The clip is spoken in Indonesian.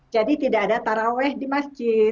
jadi tidak ada taraweh di masjid